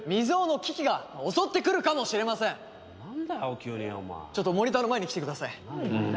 急にお前ちょっとモニターの前に来てください何？